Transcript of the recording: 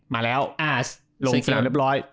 มาแล้วลงสนามเรียบร้อย